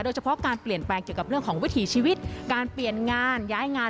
โดยเฉพาะการเปลี่ยนแปลงเกี่ยวกับเรื่องของวิถีชีวิตการเปลี่ยนงานย้ายงาน